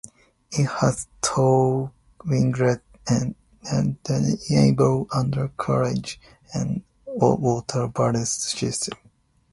It has tall winglets, a retractable undercarriage and a water ballast system.